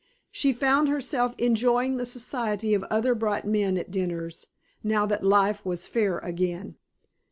She found herself enjoying the society of other bright men at dinners, now that life was fair again.